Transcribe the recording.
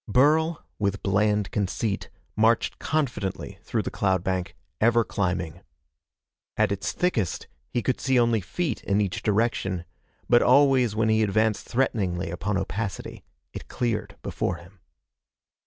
Burl, with bland conceit, marched confidently through the cloud bank, ever climbing. At its thickest, he could see only feet in each direction, but always when he advanced threateningly upon opacity, it cleared before him.